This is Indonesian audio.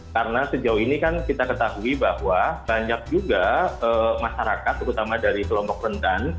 karena sejauh ini kan kita ketahui bahwa banyak juga masyarakat terutama dari kelompok rendan